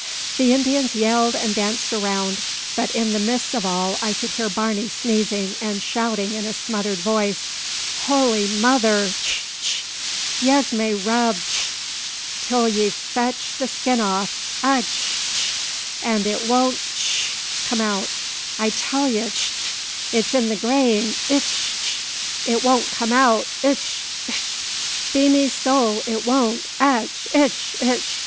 The Indians yelled and danced around; but in the midst of all I could hear Barney sneezing, and shouting in a smothered voice "Holy Mother! htch tch! Yez may rub tch itch! till yez fetch tch the skin aff atch ich ich! an' it won't tscztsh! come out. I tell yez itch ch! it's in the grain itch itch! It won't come out itch itch! be me sowl it won't atch itch hitch!"